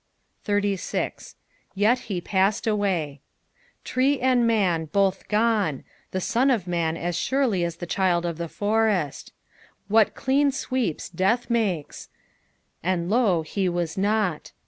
86. "Yet he paated aaay," Tree and man both gone, the son of man as surely'as the child of the forest What clean sweeps death makes I " And, U>, he wa* ruit."